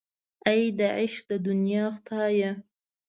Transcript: اې د عشق د دنیا خدایه.